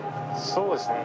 そうですね。